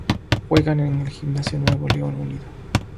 Juegan en el Gimnasio Nuevo León Unido.